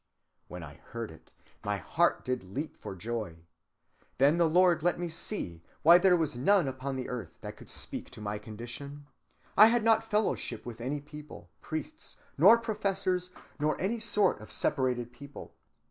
When I heard it, my heart did leap for joy. Then the Lord let me see why there was none upon the earth that could speak to my condition. I had not fellowship with any people, priests, nor professors, nor any sort of separated people.